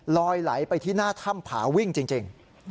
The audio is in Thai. ลอยไหลไปที่หน้าถ้ำผาวิ่งจริง